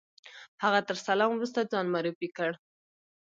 هغه تر سلام وروسته ځان معرفي کړ.